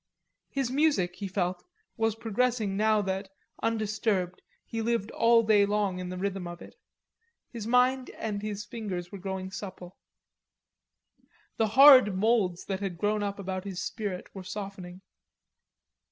His music, he felt, was progressing now that, undisturbed, he lived all day long in the rhythm of it; his mind and his fingers were growing supple. The hard moulds that had grown up about his spirit were softening.